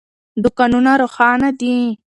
دوکانونه روښانه دي.